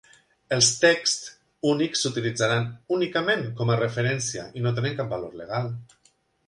Els texts únics s'utilitzaran únicament com a referència i no tenen cap valor legal.